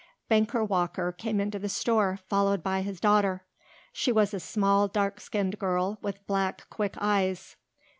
Banker Walker came into the store, followed by his daughter. She was a small, dark skinned girl with black, quick eyes.